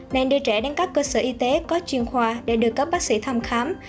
nên đưa trẻ đến các cơ sở y tế có chuyên khoa để được các bác sĩ thăm khám